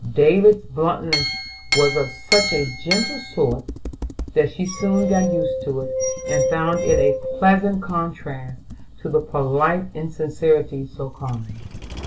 David's bluntness was of such a gentle sort that she soon got used to it, and found it a pleasant contrast to the polite insincerity so common.